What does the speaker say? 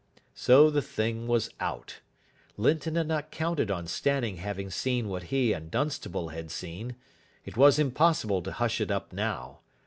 So the thing was out. Linton had not counted on Stanning having seen what he and Dunstable had seen. It was impossible to hush it up now.